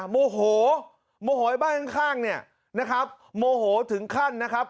โมโหโมโหให้บ้านข้างเนี่ยนะครับโมโหถึงขั้นนะครับ